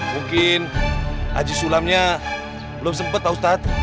mungkin haji sulamnya belum sempat pak ustadz